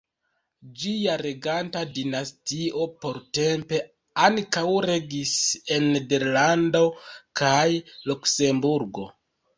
Ĝia reganta dinastio portempe ankaŭ regis en Nederlando kaj Luksemburgo.